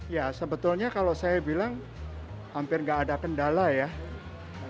ya sebetulnya kalau saya bilang hampir nggak ada kendala ya